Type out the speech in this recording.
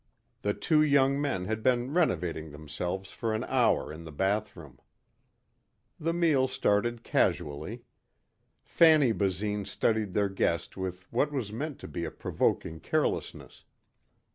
The two young men had been renovating themselves for an hour in the bathroom. The meal started casually. Fanny Basine studied their guest with what was meant to be a provoking carelessness.